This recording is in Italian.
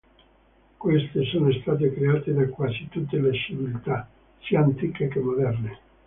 Queste sono state create da quasi tutte le civiltà, sia antiche che moderne.